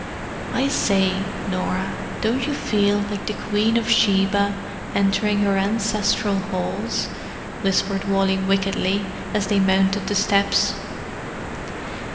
"I say, Norah, don't you feel like the Queen of Sheba entering her ancestral halls?" whispered Wally wickedly, as they mounted the steps.